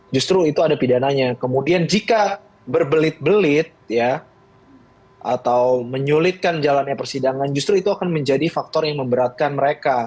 justru itu ada pidananya kemudian jika berbelit belit ya atau menyulitkan jalannya persidangan justru itu akan menjadi faktor yang memberatkan mereka